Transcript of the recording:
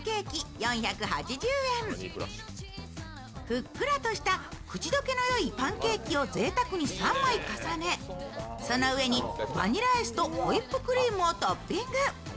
ふっくらとした口溶けのよいパンケーキをぜいたくに３枚重ねその上にバニラアイスとホイップクリームをトッピング。